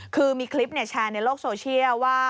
คือมีคลิปแชร์ในโลกโซเชียลว่า